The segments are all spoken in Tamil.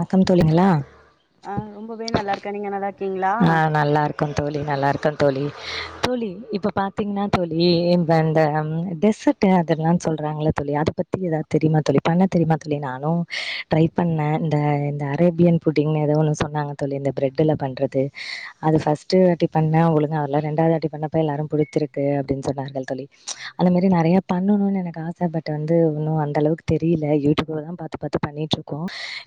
ணக்கம் தோழிங்கிளா ஆ ரொம்பவே நல்லாருக் க நீங்க நல்லார்க்கீங்ளா ஆ நல்லாருக் க்கந் தோழி நல்லாருக்கந் தோழி தோழி இப்ப பாத்தீங்னாத் தோழி இந்த அந்தம் டெசர்ட் டு அதெல்லான் சொல்றாங்கல்ல தோழி அதப் பத்தி எதாவ் தெரியுமா தோழி பண்ணத் தெரியுமாத் தோழி நானு ட்ரைப் பண்ணே இந்த அரேபியன் ஃபுட்டிங்னு எதோ ஒன்னு சொன்னாங்க தோழி இந்த பிரெட்டுல பண்றது அது ஃபஸ்ட்டு வாட்டிப் பண்ண ஒழுங்கா வர்ல ரெண்டாது வாட்டிப் பண்ணப்ப எல்லாரும் புடிச்சிருக்கு அப்டின் சொன்னார்கள் தோழி அந்த மேரி நெறையப் பண்ணணுனு எனக்கு ஆச பட் வந்து வுன்னு அந் ட்டளவுக்கு தெரில யூடியூப்லதாம் பாத்து பாத்து பண்ணிட்ருக்கோ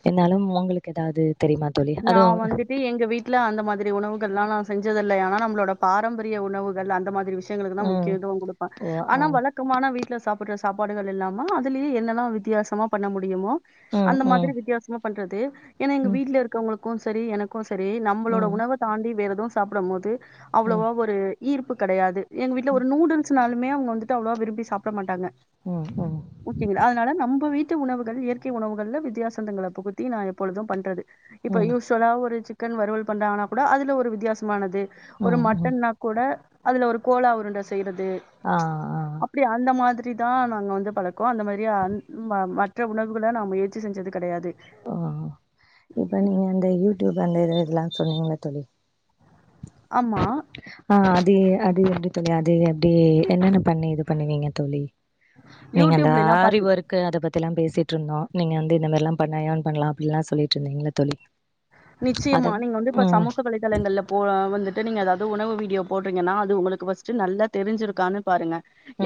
என்னாலும் ஒங்களுக்கு எதாவது தெரியுமாத் நா வந்துட்டு எங்க வீட் ட்ல அந்த மாதிரி உணவுகள்லா நா செஞ்சதில்லை ஆனா நம்ளோட பாரம்பரிய உணவுகள் அந்த மாதிரி விஷ் சியங்களுக்குதா ம் முக்கியத்துவோ குடுப்ப ஓ ஆ ஆனா வழக் க்கமான வீட்ல சாப்பிட்ற சாப்பாடுகள் இல்லாம அதுலியே என்னெல்லா வித்யாசமா பண்ண முடியுமோ ம் அந்த ம் மாதிரி வித்யாசமா பண்றது எனா எங்க ம் வீட்ல இருக்கவுங்களுக்கு சரி எனக் கு சரி நம்பளோட ம் உணவ தாண்டி வேற எதவு சாப்டம்மோது ம் அவ்ளோவா ஒரு ஈர்ப்பு கெடையாது எங்க வீட்ல ஒரு நூடுல்ஸ்னாலுமே அவுங்க வந்துட்டு அவ்ளோவா விரும்பி சாப்ட மாட்டாங்க ம் ம் ஊக்கிவில அதனால நம்ப வீட்டு உணவுகள் இயற்கை உணவுகள்ல வித்தியாசந்தங்கள புகுத்தி நா எப்பொழுதும் பண்றது இப்போ ம் யூஸுவலா ஒரு சிக்கன் வறுவல் பண்றாங்கனாக் கூட அதுல ஒரு வித்யாசமானது ஒரு ம் ம் மட்டன்னாக் கூட அதுல ஒரு கோலா உருண்ட செய்றது ஆ ஆ அப்டி அந்த மாதிரிதா நாங்க வந்து பழக்கோ அந்த மாரியா அந் ம் வ மற் ற்ற உணவுகள நா முயற்சி செஞ்சது கெடையாது அ அ இப்போ நீங்க அந்த யூடியூப் அந்த இது இதெல்லா சொன்னீங்ள தோழி ஆமா ஆ அது அது எப்டி தோழி அது எப்டி என்னென்ன பண்ணி இது பண்ணுவீங்க தோழி நீங்க அந்த யூடியூப்லல்லா ஆறி பாத்து ஒர் க்கு அத பத்திலா பேசிட்டு இருந்தோ நீங்க வந்து இந்த மாரிலா பண்ணா யேன் பண்லா அப்டின்ல்லா சொல்லிட்டு இருந்தீங்களே தோழி அத நிச்சயமா நீங்க வந்து இப்ப ம் சமூக வலைதளங்கள்ல போ அ வந்துட்டு நீங்க ஏதாவ்து உணவு வீடியோ போட்றீங்கன்னா அது உங்களுக்கு ஃபர்ஸ்ட்டு நல்லா தெரிஞ்சிருக்கான்னு பாருங்க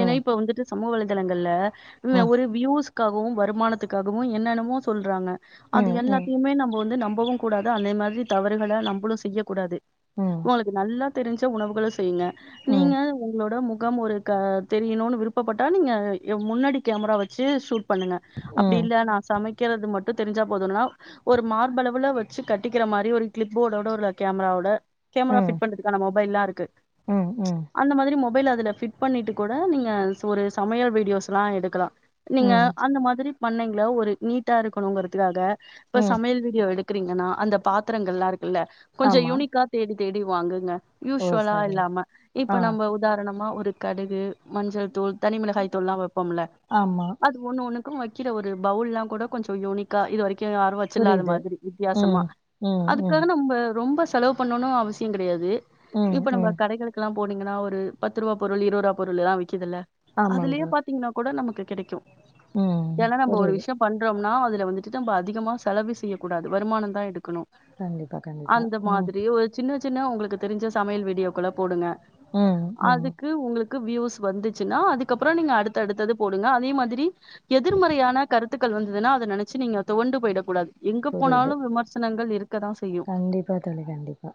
ஏன்னா இப்ப வந்துட்டு சமூக வலைதளங்கள்ல வ ம் ஒரு வியூஸ் காகவு வருமானத்துக்காகவு என்னன்னவோ சொல்றாங்க அது ம் ம் எல்லாத்தியுமே நம்ம வந்து நம்பவு கூடாது அதே மாதிரி தவறுகள நம்மளு செய்ய கூடாது ம் உங்களுக்கு நல்லா தெரிஞ்ச உணவுகள செய்ங்க ம் நீங்க உங்களோட முகம் ஒரு க தெரியணுனு விருப்பப்பட்டா நீங்க யொ முன்னாடி கேமரா வெச்சு ஷுட் பண்ணுங்க அப்டி ம் இல்ல நா சமைக்கிறது மட்டு தெரிஞ்சா போதுனா ஒரு மார்பளவுல வ ச்சு கட்டிக்கிற மாரி ஒரு கிளிப் போர்டோட ஒரு கேமர ஓட கேமரா ஃபிட் ம் பண்றதுக்கான மொபைல்லா இருக்கு ம் ம் அந்த மாதிரி மொபைல்ல அதுல ஃபிட் பண்ணிட்டு கூட நீங்க ஒரு சமையல் வீடியோஸ்ல்லா எடுக்கலா நீங்க ம் அந்த மாதிரி பண்ணைங்கள ஒரு நீட்டா இருக்கணுங்குறதுக்காக இப்ப ம் சமையல் வீடியோ எடுக் குறீங்கன்னா அந்த பாத்திரங்கள்லா இருக்குல்ல கொஞ்சொ ஆமா யுனிக்கா தேடி தேடி வாங்குங்க ஓ யூஷுவலா சரிங்க இல்லாம இப்போ ஆ நம்ம உதாரணமா ஒரு கடுகு மஞ்சள் தூள் தனி மிளகாய் தூள்ல்லா வைப்போம்ல ஆமா அது ஒண்ணு ஒண்ணுக்கு வைக்கிற ஒரு பவுல்லா கூட கொஞ்சொ யூனிக்கா இது வரைக்கு யாரு வெச்சிலாத புரியுது மாரி வித்தியாசமா ம் ம் ம் அதுக்காக நா ம்ப ரொம்ப செலவு பண்ணணு அவசிய கெடையாது ம் இப்ப நம்ப ம் கடைகள் குலா போனீங்கன்னா ஒரு பத்து ரூவா பொருள் இருவது ரூவா பொருள் எல்லா விக்குதுல்ல ஆமாங்க அதுலயே பாத்தீங்கன்னா கூட நமக்கு கெடைக்கு ம் ஏன்னா நம்ப ஒரு புரியுது விஷயொ பண்றோம்னா அதுல வந்துட்டு நம்ப அதிகமா செலவு செய்யக்கூடாது வருமானதா எடுக்கணு கண்டிப்பா கண்டிப்பா அந்த ம் மாதிரி ஒரு சின்ன சின்ன உங்களுக்கு தெரிஞ்ச சமையல் வீடியோக்கள போடுங்க ம் ம் அதுக்கு உங்களுக் கு வியூஸ் வந்துச்சுன்னா அதுக்கப்புறோ நீங்க அடுத்த அடுத்தது போடுங்க அதே மாதிரி எதிர்மறையான கருத்துக் கள் வந்ததுன்னா அத நனச்சு நீங்க துவண்டு போயிடக் கூடாது எங்க புரியுது போனாலு விமர்சனங்கள் இருக்கதா ச் கண்டிப்பா தோழி கண்டிப்பா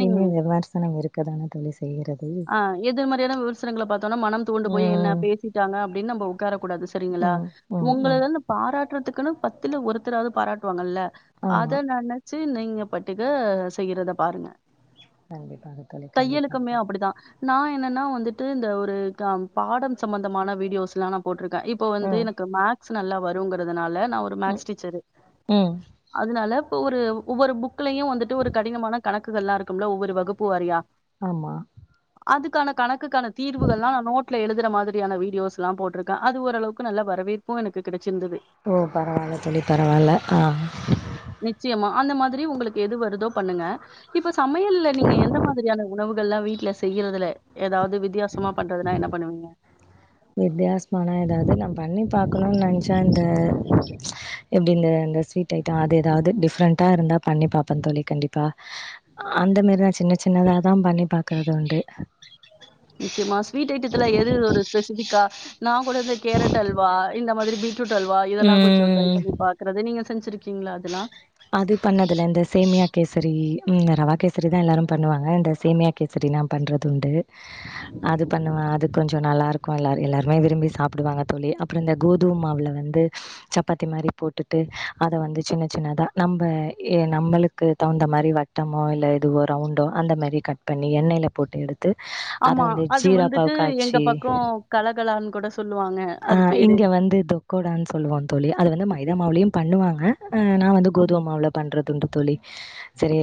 நீங்க விமர்சனம் இருக்கதானே தோழி செய்றது ஆ எதிர் மறையான விமர்சனங்கள பாத்தோனா மனம் துவண்டு போய என்ன ம் பேசிட்டாங்க அப்டின்னு நம்ம உக்காரக் கூடாது சரிங்கலா ம் ம் உங்கள ம் வந்து பாராட்டுறதுக்குன்னு பத்துல ஒருத்தராது பாராட்டுவாங்கல்ல ஆமா அத நென சி நீங்க பட்டுகு செய்யறத பாருங்க கண்டிப்பாக தோழி கண்டிப்பாக நா என்னன்னா வந்துட்டு இந்த ஒரு க பாடம் சம்பந்தமான வீடியோஸ்லா நா போட்ருக்கே இப் இப்போ வந்து ம் எனக்கு மேக்ஸ் நல்லா வருங்கறதுனால நா ஒரு ம் மேக்ஸ் டீச்சரு ம் அதுனால இப்ப ஒரு ஒவ்வொரு புக்லயு வந்துட்டு ஒரு கடினமான கணக் குகல்லா இருக்கும்ல ஒவ்வொரு வகுப்பு வாரியா ஆமா அதுக்கான கணக்குக்கான தீர்வுகள்லா நா நோட் ல எழுதுற மாதிரியான வீடியோஸ்ல்லா போட்ருக்க அது ஓரளவுக்கு நல்ல வரவேற்பு எனக்கு கெடைச்சிருந்தது ஓ பரவால்ல தோழி பரவால்ல ஆ நிச்சயமா அந்த மாதிரி உங்களுக்கு எது வருதோ பண்ணுங்க இப்ப சமையல்ல நீங்க எந்த மாதிரியான உணவுகள்லாம் வீட்ல செய்யறதுல ஏதாவது வித்தியாச சமா பண்றதுனா என்ன பண்ணுவீங்க வித்தியாசமானா ஏதாவது நம் பண்ணி பாக்கணும்னு நனச்சா இந்த எப்டி இந்த இந்த ஸ்வீட் ஐட்டோம் அது ஏதாவது டிஃப்ரெண்டா இருந்தா பண்ணி பாப்பன் தோழி கண்டிப்பா அந்த மாரி தான் சின்ன சின்னதாதா பண்ணி பாக்குறது உண்டு நிச்சயமா ஸ்வீட் ஐட்டத்துல எது ஒரு ஸ்பெசிபிக்கா நா கூட கேரட் அல்வா இந்த மாதிரி பீட் ரூட் அல்வா இதெல்லா கொஞ்சோ ட்ரை ம். பண்ணி பாக்குறது நீங்க செஞ்சிருக்கீங்களா அதெல்லாம் அது பண்ணதுல இந்த சேமியா கேசரி ரவ கேசரி தான் எல்லாரும் பண்ணுவாங்க இந்த சேமியா கேசரி நா பண்றது உண்டு அது பண்ணுவன் அது கொஞ்சோ நல்லா இருக்கும் எல்லாரு எல்லாருமே விரும்பி சாப்பிடுவாங்க தோழி அப்புறம் இந்த கோதும மாவில்ல வந்து சப்பாத்தி மாரி போட்டுட்டு அத வந்து சின்ன சின்னதா நம்ப நம்பளுக்கு தகுந்த மாரி வட்டமோ இல்ல இதுவோ ரவுண்டோ கட் பண்ணி எண்ணெய்ல போட்டு எடு த்து அத ஆமா வந்து அது ஜீரா வந்துட்டு எங்க பாவுக்காச்சி பக்கோ கலகலான்னு கூட சொல்லுவாங்க ஆ அது பேரு இங்க வந்து தொக்கோடான்னு சொல்லுவாங்க தோழி அது வந்து மைதா மாவுலயும் பண்ணுவாங்க நா வந்து ஆமா கோதும மாவு அவள பண்றதுண்டு தோழி செரி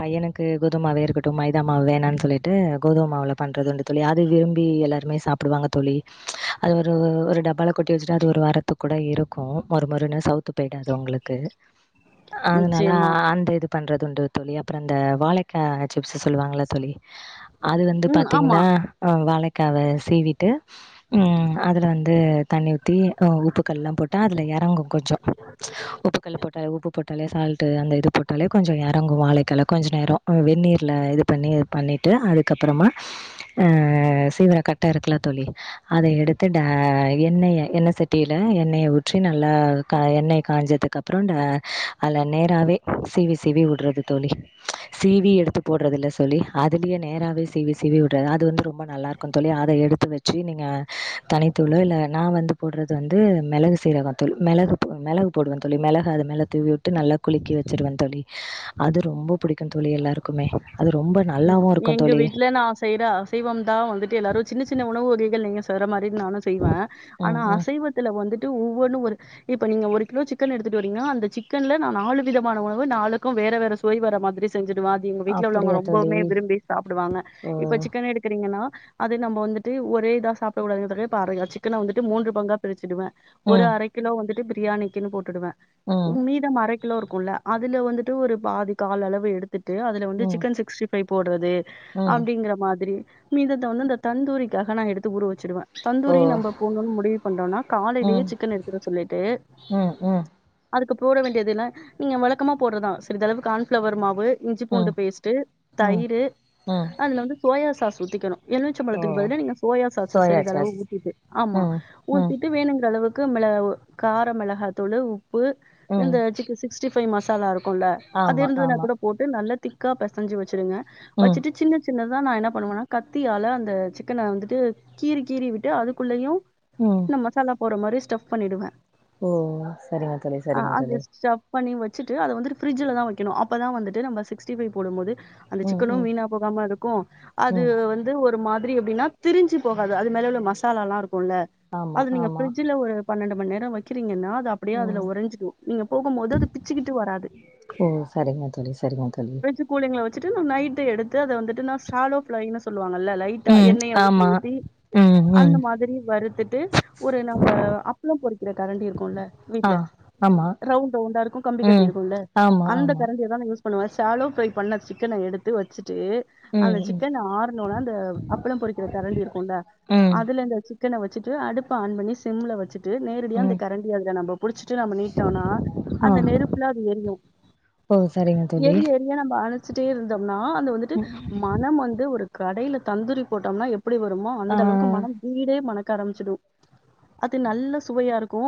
பையனுக்கு கோதுமாவே இருக்கட்டும் மைதா மாவு வேணான்னு சொல்லிட்டு கோதும மாவுல பண்றது உண்டு தோழி அது விரும்பி எல்லாருமே சாப்பிடுவாங்க தோழி அது ஒரு ஒரு டப்பால கொட்டி வச்சுட்டு அது ஒரு வாரத்து கூட இருக்கும் மொறு மொறுன்னு சவுத்து போயிடாது உங்ளுக்கு அதனால நிச்சயமா அந்த இது பண்றது உண்டு தோழி அப்புறோம் இந்த வாழைக்காய் சிப்ஸ் சொல்லுவாங்கள தோழி அது வந்து ம் ஆமா. பாத்தீங்ன்னா வாழைக்காவ சீவிட்டு ம் அதுல வந்து தண்ணி ஊத்தி உப்பு கல்லாம் போட்டா அதுல எறங்கும் கொஞ்சோம் உப்பு கல்லு போட்டாரு உப்பு ப்பு போட்டாலே சால்ட்டு அந்த இது போட்டாலே கொஞ்சோம் எறங்கும் வாழைக்கால கொஞ்சோம் நேரம் வெந்நீர்ல இது பண்ணி பண்ணிட்டு அதுக்கப்புறமா அ சீவுற கட்ட இருக்குல தோழி அத எடுத்து ட எண்ணெய்ய எண்ணெய செட்டியில எண்ணெய்ய ஊற்றி நல்லா எண்ணெய் காய்ஞசதுக்கு அப் புறம் ட அதுல நேராவே சீவி சீவி விடுறது தோழி சீவி எடுத்து போடுறது இல்ல சொல்லி அதுலயேநேராவே சிவி சிவி வுடுறது அது வந்து ரொம்ப நல்லா இருக்கும் க்கும் தோழி அத எடுத்து வெச்சு நீங்க தனித் தூள் இல்ல நான் வந்து போடுறது வந்து மெளகு சீரகோம் தூள் மெளகு மெளகு போடுவன் தோழி மெளக அது மேல தூவி விட்டு நல்லா குளிக்கி வெச்சிருவேன் தோழி அது ரொம்ப புடிக்கும் தோழி எல்லாருக்குமே அது ரொம்ப ம் நல்லாவும் இருக்கோம் எங்க தோழி வீட்ல நான் செய்ற அசைவம் தான் வந்துட்டு எல்லாரும் சின்ன சின்ன உணவு வகைகள் நீங்க செய்ற மாரி நானும் செய்வன் ஆனா ம் ம். அசைவத்துல வந்துட்டு ஒவ்வொன்னும் ஒரு இப்ப நீங்க ஒரு கிலோ சிக்கன் எடுத்துட்டு வரிங்கனா அந்த சிக்கன்ல நாலு விதமான உணவு நாலுக்கும் வேற வேற சுவை வர மாதிரி செஞ்சுடுவன் அது எங்க வீட்ல உள்ளவங்க அப்படியா தோழி? ரொம்போமே விரும்பி சாப்புடுவாங்க இப்ப ஓ! சிக்கன் எடுத் க்ரீங்கன்னா அது நம்ப வந்துட்டு ஒரே இதா சாப்புடக்க கூடாது தோழி இப்ப அர சிக்கன் வந்துட்டு மூன்று பங்கா பிரிச்சுடுவேன் ஒரு ம் அரை கிலோ வந்துட்டு பிரியாணிக்குன்னு போட்டுவன் ம் மீதம் அரை கிலோ இருக்கோம்ல அதுல வந்துட்டு ஒரு பாதி கால் அளவு எடுத்துட்டு அது வந்து ம் சிக்கன் சிக்ஸ்டி ஃபைவ் போடுறது ம் அப்டிங்கற மாதிரி மிதத்த வந்து இந்த தந்தூரிக்காக நா எடுத்து ஊற வெச்சிடுவேன் ஓ தந்தூரி நம்ப போடணோன் முடிவு பண்றோம்னா காலையிலே ம் சிக்கன் எடுத்துக்க சொல்லிட்டு ம் ம் அதுக்கு போட வேண்டியது என்ன நீங்க வழக்கமா போடுறதான் சிறிதளவு கான்ஃப்ளவர் மாவு இஞ்சி பூண்டு ம் பேஸ்ட்டு ம் தயிரு ம் அதுல வந்து சோயா சாஸ் ஊத்திக்குணு ஓ எலுமிச்சம்பழத்துக்கு பதிலா நீங்க சோயா சாஸ்சு சோயா சிறிதளவு சாஸ் ஊத்திட்டு ஆமா ம் ம் ஊத்திட்டு வேணுங்ற அளவு க்கு மிள கார மிளகாத்தூள் உப்பு ம் இந்த சிச் சிக்ஸ்டி ஃபைவ் மசாலா இருக்குல்ல அது ஆமா இருந்துதுனா ஆமா கூட போட்டு நல்லா திக்கா பெசஞ்சி வச்சுடுங்க ம் வச்சுட்டு சின்ன சின்னதுதா நா என்ன பண்ணுவேன்னா கத்தியால அந்த சிக்கன வந்துட்டு கீறி கீறி விட்டு அதுக்குள்ளயு ம் இந்த மசாலா போற மாரி ஸ்டஃப் பண்ணிருவ ஓ சரிங்க தோழி சரிங்க அது தோழி ஸ்டஃப் பண்ணி வச்சுட்டு அத வந்து ப்ரிட்ஜில தா வைக்கணு அப்பதா வந்துட்டு நம்ம சிக்ஸ்டிஃபை போடு போது அந்த ம் சிக்கனு ம் வீணா போகாம இருக்கு அது ம் வந் து ஒரு மாதிரி அப்டின்னா திரஞ்சு போகாது அது மேல உள்ள மசாலா இருக்குல்ல ஆமா அது நீங்க ஆமா பிரிட்ஜ்ல ஒரு பன்னெண்டு மண் நேரோ வக்கீங்கன்னா அது அப் அப்டியே அதுல ம் ஒறஞ்சிடு நீங்க போகு போது அது பிச்சுக்கிட்டு வராது ஓ சரிங்க தோழி சரிங்க தோழி கூலிங்கல வச்சிட்டு நைட்டு எடுத்து அத வந்துட்டு ஷாலோ பளைன்னு சொல்லுவாங்கல்ல லை ட்டா ம் எண்ணெய ஊத்தி ஆமா ஊத்தி ம் ம் அந்த மாதிரி வறுத்துட்டு ஒரு நம்ம அப்பளோ பொறிக்கிற கரண்டி இருக்குல்ல ஆ வீட்ல ஆமா ரவுண்ட் ரவுண்டா இருக்கு கம்பி கட்டி ம் இருக்குல்ல ஆமா அந்த ஆமா கரண்டியதா நா யூஸ் பண்ணுவ ஷாலோ ஃப்ரை பண்ண சிக்கன எடுத்து வச்சுட்டு ம் அந்த ம் சிக்கன் ஆற்னொன்ன அந்த அப்பளோ பொறிக்கிற கரண்டி இருக்குல்ல ம் அதுல இந்த சிக் சிக்கன வச்சுட்டு அடுப்ப ஆன் பண்ணி சிம்ல வச்சு ச்சிட்டு நேரடியா அந்த ம் கரண்டி அதுல நம்ம புடிச்சிட்டு நம்ம நீட்னோனா அந்த ஆ நெருப்புல அது எரியு ஓ சரிங்க தோழி அப்டியே நம்ம அனுச்சிட்டே இருந்தோம்னா அது வந்துட்டு மனம் வந்து ஒரு கடையில தந்தூரி போட்டோம்னா எப் படி வருமோ ஆ அந்த அளவுக்கு மனம் வீடே மணக்க ஆரம்பிச்சிடு அது நல்ல சுவையா இருக்கு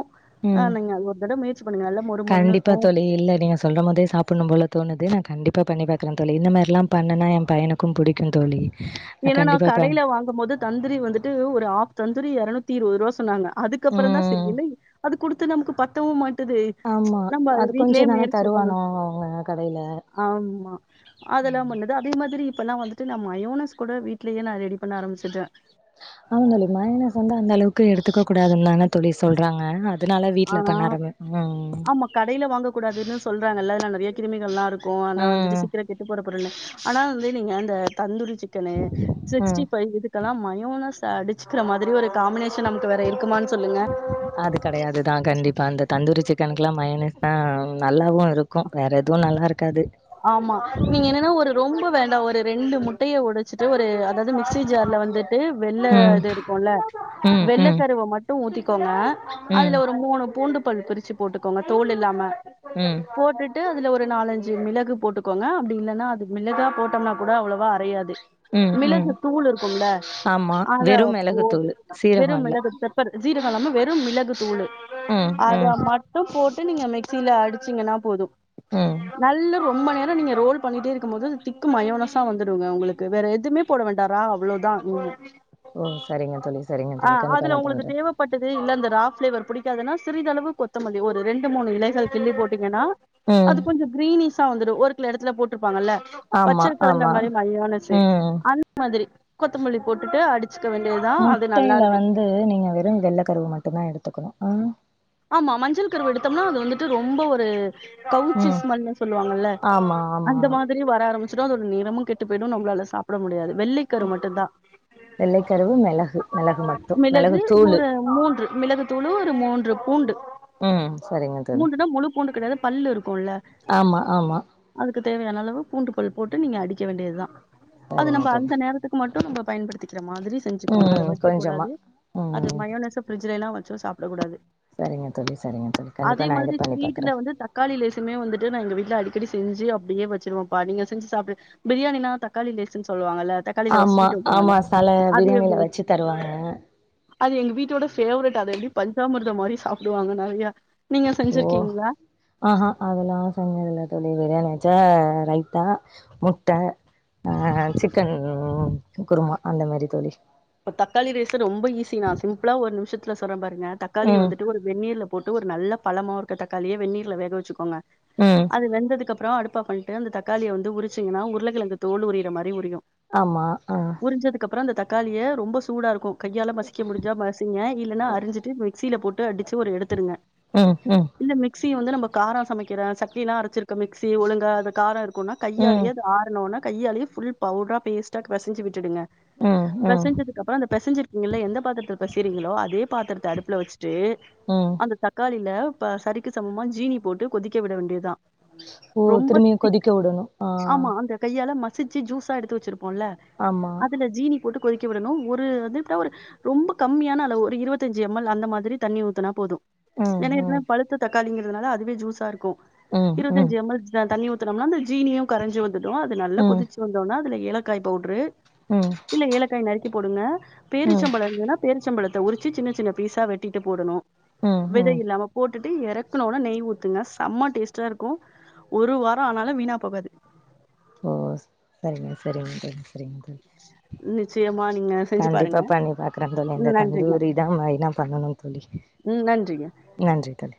ஆ ம் நீங்க ஒரு தடவ முயற்சி பண்ணுங்க நல்லா மொறு மொறுன்னு கண்டிப்பா இருக்கு தோழி இல்ல நீங்க சொல்லற போதே சாப்பின்னு போல தோணுது நா கண்டிப்பா பண்ணி பாக்குற தோழி இந்த மேரில்லா பண்ணா ஏ பையனு க்கு பிடிக்கு தோழி ஏனா நா கண்டிப்பா ப கடையில வாங்கு போது தந்திரி வந்துட்டு ஒரு ஹாப் தந்தூரி எறநூத்தி இருவது ரூபா சொன்னாங்க அதுக்கப்றோ தா சரி ம் இல்ல அது குடுத்து நமக்கு பத்தவு மாட்டது ஆமா நம்ம அது வீட்லே கொஞ்ச தான முயற்சியே பண்ணணு தருவானோ அவங்க கடையில ஆமா அதெல்லா பண்ண அதே மாதிரி இப்பெல்லா வந்துட்டு நா மயோனஸ் கூட வீட்லயே நா ரெடி பண்ண ஆரம்பிச்சுட்டே ஆமா தோழி மயோனஸ் வந்து அந்தளவுக்கு எடுத்துக்க கூடாதுன்னு தான தோழி சொல்றாங்க அதனால வீட்ல ஆனா பண்ண ஆரமே ஆ ஆமா கடையில வாங்கக் கூடாதுன்னு சொல்றாங்கள்ள நெறைய கிருமிகள்லா இருக்கு ஆனா வந்துட்டு ம் சிகரெட் கெட்டு போற பொருள்னு ஆனா வந்து நீங்க அந்த தந்தூரி சிக்குனு ம் சிக்ஸ்டீ ஃபைவ் இதெல்லா மயோனஸ் அடிச்சுக்கிற மாதிரி ஒரு காம்பினேஷன் நமக்கு வேற இருக்குமானு சொல்லுங்க அது கெடையாதுதா கண்டிப்பா இந்த தந்தூரி சிக்கனுக்குல்லா மயோனஸ் ஆ நல்லாவு இருக்கு வேற எதுவு நல்லா இருக்காது ஆமா நீங்க என்னன்னா ஒரு ரொம்ப வேண்டா ஒரு ரெண்டு முட்டையை ஒடச் ட்டு ஒரு அதாவுது மிக்சி ஜார்ல வந்துட்டு வெள்ள ம் இது இருக் குல்ல ம் வெள்ள ம் கருவ மட்டு ஊத்திக்கோங்க ம் அதுல ஒரு மூணு பூண்டுபல் பிரிச் சி போட்டுக்கோங்க தோல் இல்லாம ம் போட்டுட்டு அதுல நாலஞ்சு மிள கு போட்டுக்கோங்க அப்டி இல்லன்னா அது மிளகா போட்டோம்னா கூட அவ்ளோவா அறையாது ம் ம் மிளகு தூள் இருக்கும்ல ஆமா அத வெறு மிளகுத்தூளு போட்டுக்குலா வெறு சீரகோ இல்ல மிளகு சீரகோ இல்லாம வெறு மிளகு தூள் ம் அத ம் மட்டு போட்டு நீங்க மிக் மிக்ஸில அடிச்சிங்கன்னா போது ம் நல்ல ரொம்ப நேரம் நீங்க ரோல் பண்ணிட்டே இருக்கு போது அது திக்கு மயோனசா வந்துடுங்க உங்களுக்கு வேறு எதுவுமே போட வேண்டா ரா அவ்வுளோ தா ம் ஓ சரிங்க தோழி சரிங்க தோழி கண்டிப்பா நா பண்றே பட்டுது இல்ல அந்த ரா பிளேவர் புடிக்காதுன்னா சிறிதளவு கொத்தமல்லி ஒரு ரெண்டு மூணு இலைகள் கிள்ளி போட்டீங்கன்னா அது ம் கொஞ்ச கிரீனிஸா வந்துடு ஒரு சில எடத்துல போட்டிருப்பாங்கல்ல ஆமா பச்ச கலந்த ஆமா மாறி மாயோனசு ம் அந்த மாதிரி கொத்தமல்லி போட்டுட்டு அடிச்சுக்க வேண்டியது தா முட்டையில வந்து நீங்க வெறு வெள்ளை கருவு மட்டு தா எடுத்துக்கணு ஆ ஆமா மஞ்சள் கருவை எடுத்தோம்னா அது வந்துட்டு ரொம்ப ஒரு கவுச்சி ம் ஸ்மல்ன்னு சொல்லு வாங்கல்ல ஆமா ஆமா அந்த மாதி ரி வர ஆரபிச்சுரு அதோட நிறமும் கெட்டு போயிடு நம்ளால அத சாப்பிட முடியாது வெள்ளி கரு மட்டு தா வெள்ளைக்கருவு மிளகு மிளகு மட்டு மிளகு தூளு ஒரு மூன்று மிளகு தூளு ஒரு மூன்று பூண்டு ம் சரிங்க தோழி மூன்று னா முழு பூண்டு கிடையாது பல்லு இருக்கு மில்ல ஆமா ஆமா அதுக்கு தேவையான அளவு பூண்டு பல் போட்டு நீங்க அடிக்க வேண்டியது தா அது சரிங்க நம்ம தோழி அந்த நேரத்துக் கு மட்டு நம்ப பயன்படுத்திக்கிற மாதிரி செஞ்சுக்கோங்க அதை ம் கொஞ்சமா வைக்கூடாது அத ம் மயோனாஸ்ச பிரிட்ஜ் எல்லா வச்சு சாப்பிட கூடாது சரிங்க தோழி சரிங்க தோழி கண்டிப்பா நா இது பண்ணி பாக்குறே தக்காளிலலேசுமே வந்துட்டு நா எங்க வீட்டுல அடிக்கடி செஞ்சு அப்புடியே வச்சிருவோப்பா நீங்க செஞ்சு சாப்புடு பிரியாணின்னா தக்காளி லேசன்னு சொல்லு வாங்கல்ல ஆமா ஆமா சல பிரியாணில வச்சு தருவாங்க அது எங்க வீட்டோட ஃபேவரேட் அத எப்புடி பஞ்சாமிரத மாதிரி சாப்பிடு வாங்க நெறைய நீங்க செஞ்சிருக்கீங்களா ஆ ஹா அத எல்லா செஞ்சது இல்ல தோழி பிரியாணி வச்சா ரைத்தா முட்டா ஆ சிக்கன் குருமா அந்த மாறி தோழி இப்ப தக்காளி ரேசு ரொம்ப ஈஸி நா சிம்பிளா ஒரு நிமிஷத்துல சொல்ற பாருங்க தக்காளி ம் வந்துட்டு ஒரு வென்நீர்ல போட்டு ஒரு நல்ல பழமா இருக்க தக்காளியா வென்நீர்ல வேக வச்சு கோங்க ம் அது வெந்ததுக்கு அப்புறே அடுப்ப ஆப் பண்ணிட்டு அந்த தக்காளியை வந்து உறிச்சிங்கன்னா உருளைக்கிழங்கு தோல் உரியற மாறி உறியு ஆமா ஆ உறிச்சதுக்கு அப்புறே அந்த தக்காளிய ரொம்ப சூட இருக்கு கையால மசிக்க முடிஞ்சா மசிங்க இல்லன்னா அறிஞ்சிட்டு மிக்ஸியில போட்டு அடிச்சு ஒரு எடுத்துருங்க ம் ம் இந்த மிக்சி வந்து நம்ம காரம் சமைக்கிறே சட்னிலா அரச்சிருக்க மிக்சி ஒழுங்க அது காரே இரு க்குனா கையாலே ம் அத ஆரணோனே கையாலே புல் பவுடரா பேஸ்டா பெசஞ்சு விட்டுடுங்க ம் ம் அதுக் அப்புறே அந்த பெசஞ்சு இருக்கிங்களா எந்த பாத்திரத்த பெசைறீங்களோ அதே பாத்திரத்த அடுப்புல வச்சுட்டு ம் அந்த தக் காளில இப்ப சரிக்கு சமமா ஜீனி போட்டு கொதிக்க விட வேண்டியது தா ஓ ரொம்ப திரும்பியு திக் கொதிக்க விடணு ஆ ஆமா அந்த கையால மசிச்சு ஜூஸா எடுத்து வச்சிருப்போம்ல ஆமா அதுல ஜீனி போட்டு கொதிக்க விடணு ஒரு வந்து டா ஒரு ரொம்ப கம்மியான அளவு ஒரு இருபத்தஞ்சு எம் எல் அந்த மாதிரி தண்ணி ஊத்துனா போது ம் ஏன்னா ம் ஏற்கனவே பழுத்த தக்காளிங்கிறதுனால அதுவே ஜூஸா இருக்கு ம் இருபத்தி ம் அஞ்சு எம் எல் தா தண்ணி ஊத் துனம்னா அந்த ஜீனியு கரைஞ்சு வந்துடு அது நல்ல ம் கொதிச்சு வந்தோனா அதுல ஏலக்காய் பவுடரு ம் இல்ல ஏலக்காய் நறுக்கி போடுங்க ம் பேரிச்சம்பழம் இருந்ததுன்னா பேரிச்சம்பழத்த உரிச்சு சின்ன சின்ன பீஸா வெட்டிட்டு போடணு ம் விதை ம் இல்லாம போட்டுட்டு இறக்குனோன நெய் ஊத்துங்க செம்ம டேஸ்ட்டா இருக்கு ஒரு வாரம் ஆனாலு வீணா போகாது ஓ சேரிங்க சேரிங்க தோழி சேரிங்க தோழி நிச்சயமா நீங்க செஞ்சு கண்டிப்பா பாருங்க பண்ணி பாக்குற தோழி ம் இந்த நன்றிங்க தந்தூரி தா மெயினா பண்ணன்னு தோழி ம் நன்றிங்க நன்றி தோழி